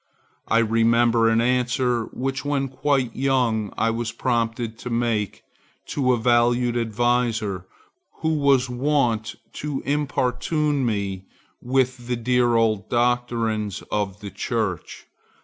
I remember an answer which when quite young I was prompted to make to a valued adviser who was wont to importune me with the dear old doctrines of the church.